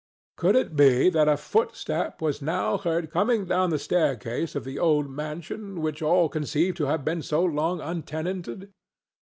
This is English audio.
Could it be that a footstep was now heard coming down the staircase of the old mansion which all conceived to have been so long untenanted?